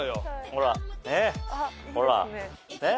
ほらねっ。